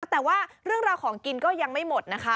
แต่ว่าเรื่องราวของกินก็ยังไม่หมดนะคะ